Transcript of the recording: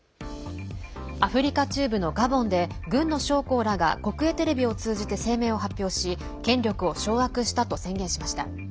アフリカ中部のガボンで軍の将校らが国営テレビを通じて声明を発表し権力を掌握したと宣言しました。